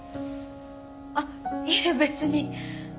あっいえ別に。